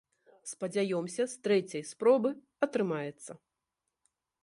Спадзяёмся, з трэцяй спробы атрымаецца.